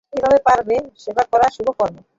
এইভাবে পরের সেবা করা শুভ কর্ম।